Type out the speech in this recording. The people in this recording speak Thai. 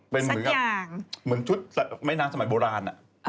เป็นเหมือนชุดไม่น้ำสมัยโบราณ